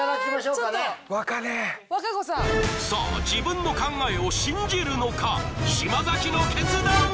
［さあ自分の考えを信じるのか島崎の決断は？］